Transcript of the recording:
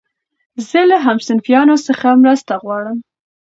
زه له همصنفيانو څخه مرسته غواړم.